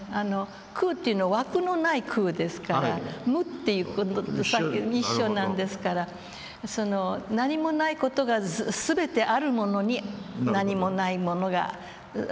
空っていうのは枠のない空ですから無っていう事と一緒なんですから何もない事が全てあるものに何もないものが。